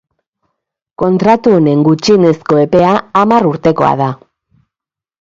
Kontratu honen gutxienezko epea hamar urtekoa da.